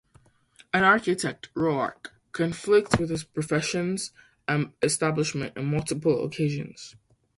An architect, Roark conflicts with his profession's establishment on multiple occasions.